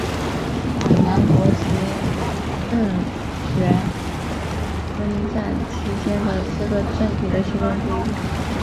广南国及郑阮纷争期间的四个政体的其中之一。